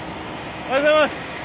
おはようございます。